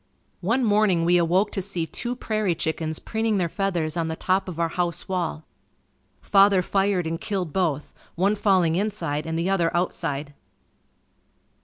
One morning we awoke to see two prairie chickens preening their feathers on the top of our house wall. Father fired and killed both, one falling inside and the other outside.